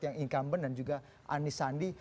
yang incumbent dan juga anies sandi